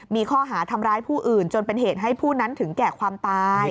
มีข้อหาทำร้ายผู้อื่นจนเป็นเหตุให้ผู้นั้นถึงแก่ความตาย